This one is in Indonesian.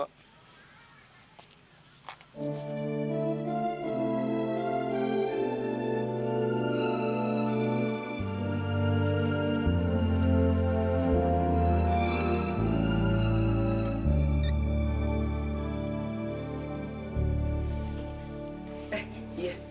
eh iya berapa bu